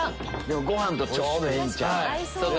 ご飯とちょうどええんちゃう？